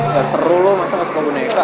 gak seru lo masa gak suka boneka